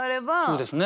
そうですね。